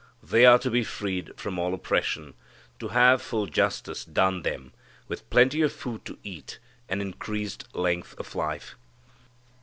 They are to be freed from all oppression, to have full justice done them, with plenty of food to eat, and increased length of life.